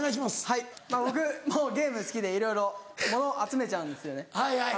はい僕もゲーム好きでいろいろ物集めちゃうんですよね。